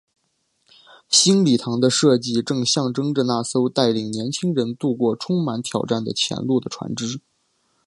新礼堂的设计正象征着那艘带领年青人渡过充满挑战的前路的船只。